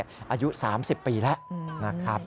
อายุ๓๐ปีแล้วนะครับ